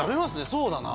そうだな